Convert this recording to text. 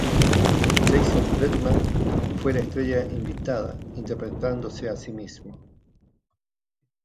Jason Bateman fue la estrella invitada, interpretándose a sí mismo.